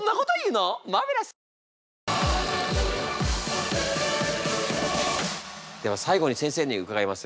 マーベラス！では最後に先生に伺います。